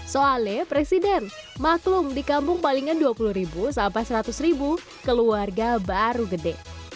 soale presiden maklum dikampung palingan dua puluh sampai seratus keluarga baru gede